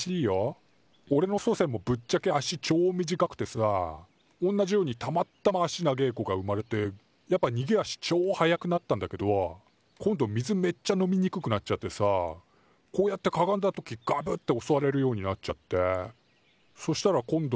おれの祖先もぶっちゃけ足ちょ短くてさおんなじようにたまったま足長え子が生まれてやっぱにげ足ちょ早くなったんだけど今度水めっちゃ飲みにくくなっちゃってさこうやってかがんだ時ガブッておそわれるようになっちゃってそしたら今度。